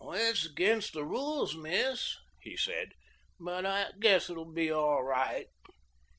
"It's against the rules, miss," he said, "but I guess it will be all right."